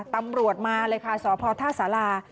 ตำรวจมาเลยค่ะสพท่าสารา